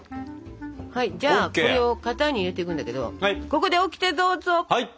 はいじゃあこれを型に入れていくんだけどここでオキテどうぞ！